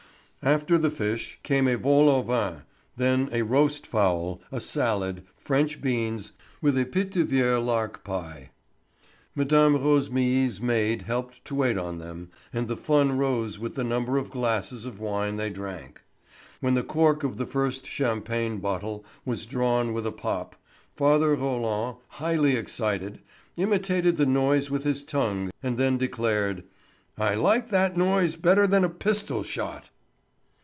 After the fish came a vol au vent, then a roast fowl, a salad, French beans with a Pithiviers lark pie. Mme. Rosémilly's maid helped to wait on them, and the fun rose with the number of glasses of wine they drank. When the cork of the first champagne bottle was drawn with a pop, father Roland, highly excited, imitated the noise with his tongue and then declared: "I like that noise better than a pistol shot."